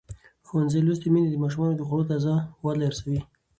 ښوونځې لوستې میندې د ماشومانو د خوړو تازه والی ارزوي.